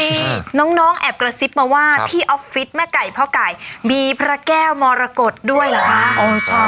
มีน้องแอบกระซิบมาว่าที่ออฟฟิศแม่ไก่พ่อไก่มีพระแก้วมรกฏด้วยเหรอคะ